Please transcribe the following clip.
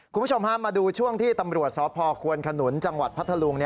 คุณผู้ชมฮะมาดูช่วงที่ตำรวจสพควนขนุนจังหวัดพัทธลุง